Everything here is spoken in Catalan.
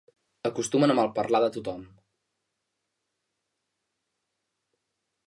Acostumen a malparlar de tothom.